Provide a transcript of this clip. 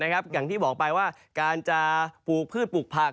อย่างที่บอกไปว่าการจะปลูกพืชปลูกผัก